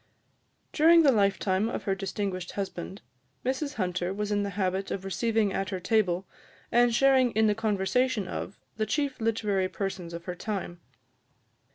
During the lifetime of her distinguished husband, Mrs Hunter was in the habit of receiving at her table, and sharing in the conversation of, the chief literary persons of her time.